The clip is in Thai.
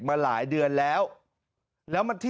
น่าจากเป็นรถ